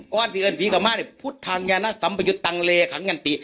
ก้อนสิเอิญภีร์กลับมาพุทธทางยานะสัมปยุตรตังเลขังยันติ